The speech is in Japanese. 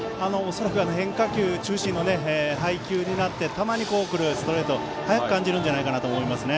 恐らく変化球中心の配球になってたまに来るストレートが速く感じると思いますね。